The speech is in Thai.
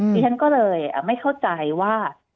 ดิฉันก็เลยไม่เข้าใจว่า